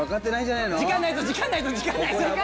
時間ないぞ時間ないぞ時間ないぞ！